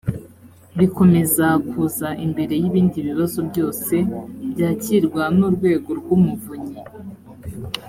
bikomeza kuza imbere y ibindi bibazo byose byakirwa n urwego rw umuvunyi